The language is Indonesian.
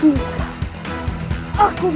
untuk mendapatkan makan